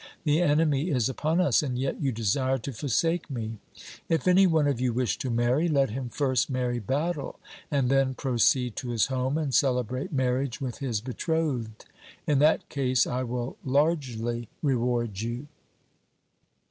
The enemy is upon us, and yet you desire to forsake me. If any one of you wish to marry, let him first marry battle, and then proceed to his home and celebrate marriage with his betrothed. In that case I will largely reward you.'